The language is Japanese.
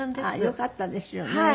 あっよかったですよね。